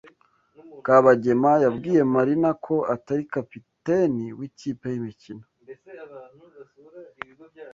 Kabagema yabwiye Marina ko atari kapiteni w'ikipe y'imikino.